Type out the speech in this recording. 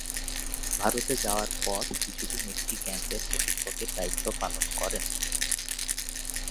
ভারতে যাওয়ার পর কিছুদিন একটি ক্যাম্পের প্রশিক্ষকের দায়িত্ব পালন করেন।